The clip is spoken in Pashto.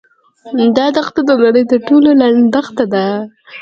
دا دښته د نړۍ تر ټولو لنډه دښته ده.